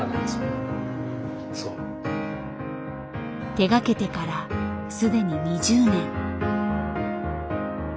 手がけてから既に２０年。